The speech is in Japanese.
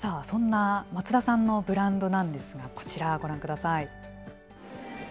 そんな松田さんのブランドなんですが、こちらをご覧ください。